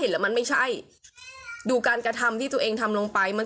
ก็คือยังอยู่กระบาดแม่เมีย